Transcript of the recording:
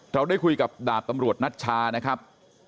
เราได้คุยกับดาบตำรวจนัชชานะครับ